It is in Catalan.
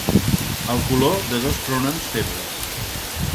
El color de dos pronoms febles.